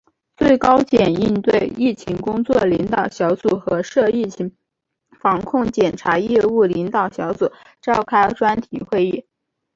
最高检应对疫情工作领导小组和涉疫情防控检察业务领导小组召开专题会议